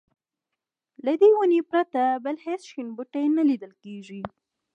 له دې ونې پرته بل هېڅ شین بوټی نه لیدل کېږي.